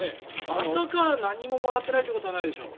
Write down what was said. まさか何ももらってないということはないでしょう。